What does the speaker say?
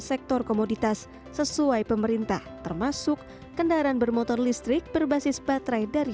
sektor komoditas sesuai pemerintah termasuk kendaraan bermotor listrik berbasis baterai dari